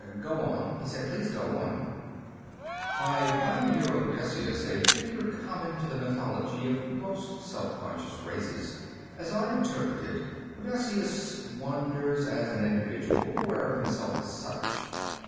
"Go on," he said. "Please go on." "I find in your Odysseus a figure common to the mythology of most self conscious races. As I interpret it, Odysseus wanders as an individual, aware of himself as such.